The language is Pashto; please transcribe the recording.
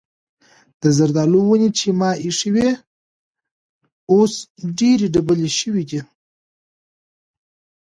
د زردالو ونې چې ما ایښې وې اوس ډېرې ډبلې شوې دي.